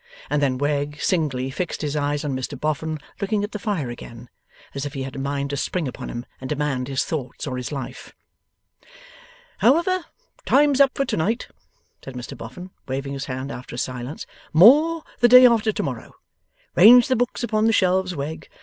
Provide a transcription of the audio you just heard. And then Wegg, singly, fixed his eyes on Mr Boffin looking at the fire again; as if he had a mind to spring upon him and demand his thoughts or his life. 'However, time's up for to night,' said Mr Boffin, waving his hand after a silence. 'More, the day after to morrow. Range the books upon the shelves, Wegg.